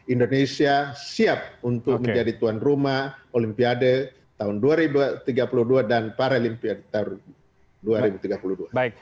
indonesia siap untuk menjadi tuan rumah olimpiade tahun dua ribu tiga puluh dua dan paralimpiade tahun dua ribu tiga puluh dua